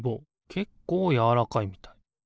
けっこうやわらかいみたい。